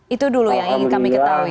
itu dulu yang ingin kami ketahui